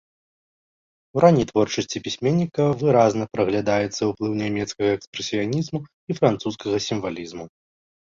У ранняй творчасці пісьменніка выразна праглядаецца ўплыў нямецкага экспрэсіянізму і французскага сімвалізму.